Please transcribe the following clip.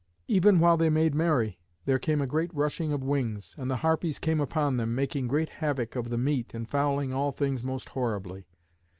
even while they made merry, there came a great rushing of wings, and the Harpies came upon them, making great havoc of the meat and fouling all things most horribly.